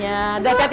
ya dah hati hati ya ki